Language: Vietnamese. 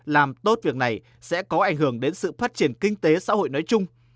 làm tốt việc này sẽ có ảnh hưởng đến sự phát triển kinh tế xã hội nói chung